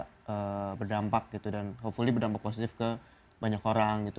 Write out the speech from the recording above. kita bisa bikin sebuah konten yang bisa berdampak gitu dan hopefully berdampak positif ke banyak orang gitu